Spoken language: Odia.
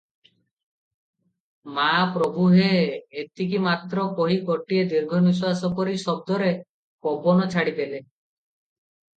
ମା ପ୍ରଭୁହେ"- ଏତିକି ମାତ୍ର କହି ଗୋଟିଏ ଦୀର୍ଘନିଶ୍ୱାସ ପରି ଶବ୍ଦରେ ପବନ ଛାଡ଼ିଦେଲେ ।